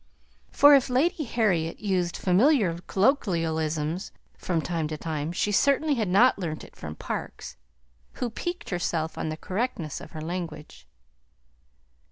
For if Lady Harriet used familiar colloquialisms from time to time, she certainly had not learnt it from Parkes, who piqued herself on the correctness of her language.